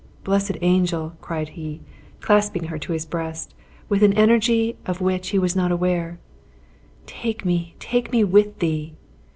Blessed angel!" cried he, clasping her to his breast, with an energy of which he was not aware, "take me, take me with thee!"